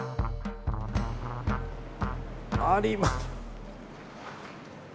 ありまし。